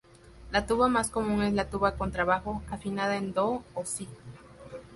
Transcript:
La tuba más común es la tuba contrabajo, afinada en do o si.